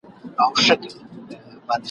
لړزوي به آسمانونه !.